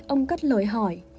ông cất lời hỏi